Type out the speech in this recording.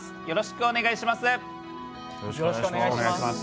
よろしくお願いします。